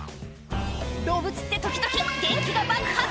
動物って時々元気が爆発！